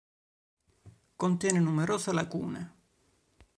Contiene numerose lacune.